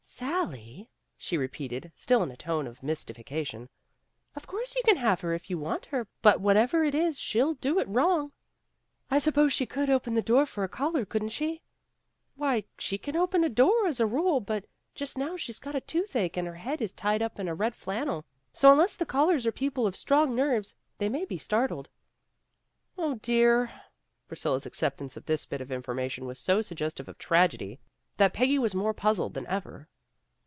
1 ' Sally, '' she repeated, still in a tone of mysti fication. "Of course you can have her if you want her, but whatever it is, she'll do it wrong." "I suppose she could open the door for a caller, couldn't she?" "Why, she can open a door, as a rule, but just now she's got a tooth ache, and her head is tied up in a red flannel, so unless the callers are people of strong nerves, they may be startled. '' "0 dear!" Priscilla's acceptance of this bit of information was so suggestive of tragedy that Peggy was more puzzled than ever.